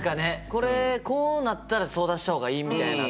これこうなったら相談した方がいいみたいなっていう。